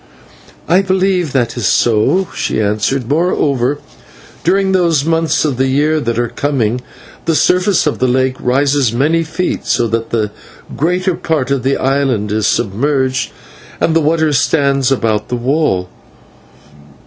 "I believe that is so," she answered. "Moreover, during those months of the year that are coming, the surface of the lake rises many feet, so that the greater portion of the island is submerged, and the water stands about the wall."